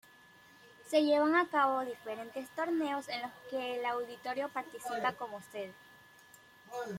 Se llevan a cabo diferentes torneos en los que el auditorio participa como sede.